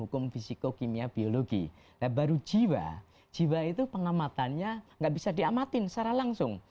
kemampuan yang tidak bisa diamati secara langsung